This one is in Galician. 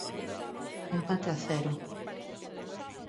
Empate a cero.